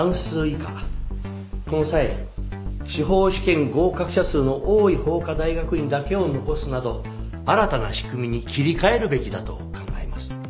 この際司法試験合格者数の多い法科大学院だけを残すなど新たな仕組みに切り替えるべきだと考えます